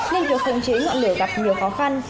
nên việc khống chế ngọn lửa gặp nhiều khó khăn